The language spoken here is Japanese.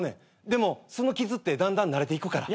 でもその傷ってだんだん慣れていくから。